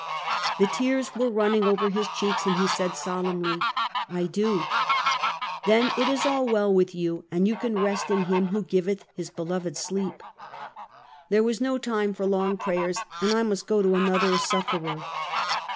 The tears were running over his cheeks, and he said, solemnly: « I do." " Then it is all well with you, and you can rest in Him who giveth his beloved sleep." There was no time for long prayers, and I must go to another sufferer.